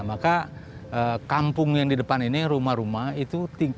maka kampung yang di depan ini rumah rumah itu tinggal